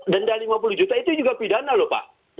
denda lima puluh juta itu juga pidana loh pak